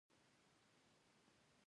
شېخ بستان په ځوانۍ کښي هندوستان ته ولاړ.